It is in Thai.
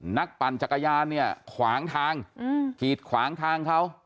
ปั่นจักรยานเนี่ยขวางทางกีดขวางทางเขา